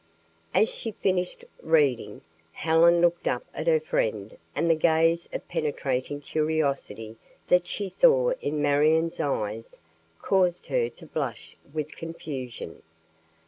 As she finished reading, Helen looked up at her friend and the gaze of penetrating curiosity that she saw in Marion's eyes caused her to blush with confusion.